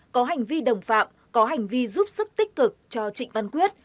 có hành vi đồng phạm có hành vi giúp sức tích cực cho trịnh văn quyết